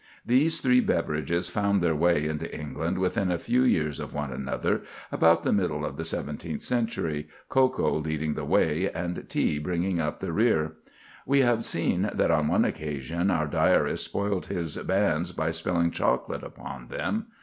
These three beverages found their way into England within a few years of one another, about the middle of the seventeenth century, cocoa leading the way, and tea bringing up the rear. We have seen that on one occasion our diarist spoilt his bands by spilling chocolate upon them.